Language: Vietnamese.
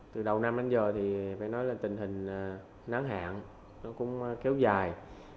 từ đầu năm đến giờ thì phải nói là tình hình nắng hạn nó cũng kéo dài